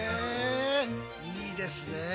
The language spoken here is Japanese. えいいですね。